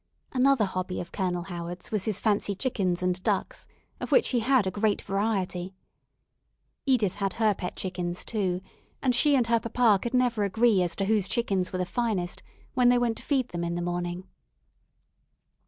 Another hobby of Colonel Howard's was his fancy chickens and ducks, of which he had a great variety. Edith had her pet chickens, too, and she and her papa could never agree as to whose chickens were the finest, when they went to feed them in the morning.